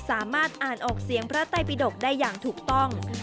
สามารถอ่านออกเสียงพระไตปิดกได้อย่างถูกต้อง